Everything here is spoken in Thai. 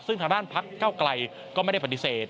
ซึ่งทางด้านพักเก้าไกลก็ไม่ได้ปฏิเสธ